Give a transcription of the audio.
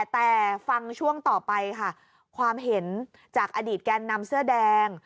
แต่ฟังช่วงต่อไปค่ะความเห็นจากอดีตแกนนำเสื้อแดง